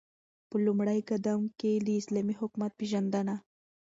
په لومړی قدم كې داسلامي حكومت پيژندنه